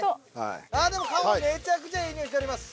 ああでもめちゃくちゃいい匂いしております。